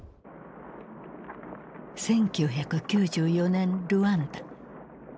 １９９４年ルワンダ。